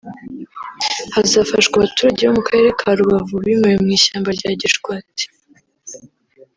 hazafashwa abaturage bo mu karere ka Rubavu bimuwe mu ishyamba rya Gishwati